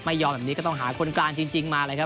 ไม่ยอมแบบนี้ก็ต้องหาคนกลางจริงมาเลยครับ